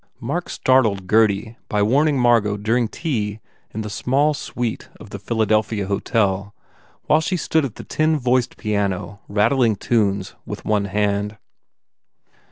Mark startled Gurdy by warning Margot dur ing tea in the small suite of the Philadelphia hotel while she stood at the tin voiced piano rat tling tunes with one hand.